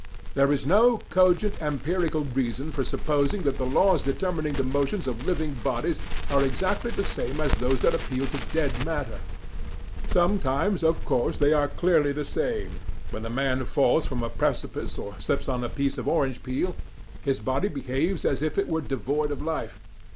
There is no cogent empirical reason for supposing that the laws determining the motions of living bodies are exactly the same as those that apply to dead matter. Sometimes, of course, they are clearly the same. When a man falls from a precipice or slips on a piece of orange peel, his body behaves as if it were devoid of life.